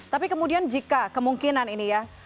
tapi kemudian jika kemungkinan ini ya